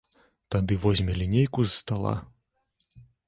Тады возьме лінейку з стала.